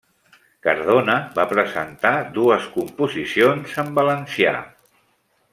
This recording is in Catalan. Cardona va presentar dues composicions en valencià.